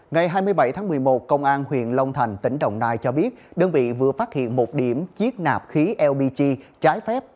ngày hai mươi bảy tháng một mươi một công an huyện long thành tỉnh đồng nai cho biết đơn vị vừa phát hiện một điểm chiếc nạp khí lbt trái phép